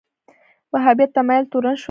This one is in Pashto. وهابیت تمایل تورن شول